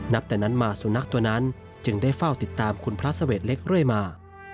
แต่นั้นมาสุนัขตัวนั้นจึงได้เฝ้าติดตามคุณพระเสวดเล็กเรื่อยมา